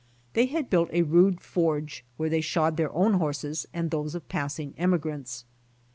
They had built a rude forge, where they shod their own horses and those of passing emigrants.